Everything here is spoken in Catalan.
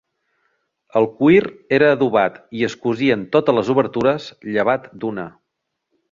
El cuir era adobat i es cosien totes les obertures llevat d'una.